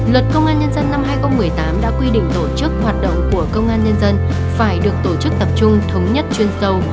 luật công an nhân dân năm hai nghìn một mươi tám đã quy định tổ chức hoạt động của công an nhân dân phải được tổ chức tập trung thống nhất chuyên sâu